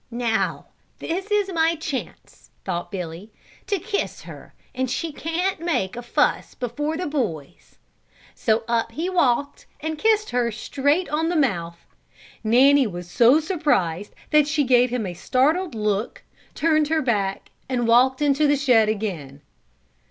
"Now is my chance," thought Billy, "to kiss her, and she can't make a fuss before the boys." So up he walked and kissed her straight on the mouth. Nanny was so surprised that she gave him a startled look, turned her back and walked into the shed again.